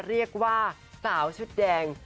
เรียกว่าสาวชุดแดง